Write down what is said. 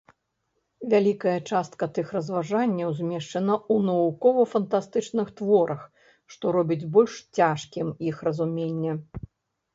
Вялікая частка тых разважанняў змешчана ў навукова-фантастычных творах, што робіць больш цяжкім іх разуменне.